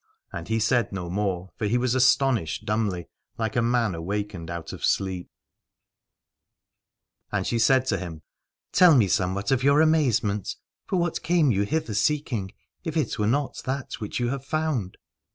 And he said no more, for he was astonished dumbly, like a man awakened out of sleep. 163 Aladore And she said to him : Tell me somewhat of your amazement: for what came you hither seeking, if it were not that which you have found?